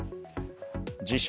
自称